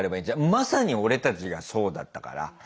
まさに俺たちがそうだったから。